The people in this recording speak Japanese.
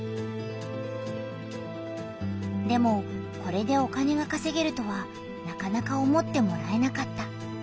でもこれでお金がかせげるとはなかなか思ってもらえなかった。